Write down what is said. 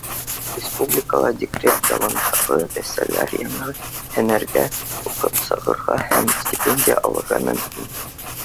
Республикала декрет ялындағы әсәләр яңы һөнәргә уҡып сығырға һәм стипендия алырға мөмкин.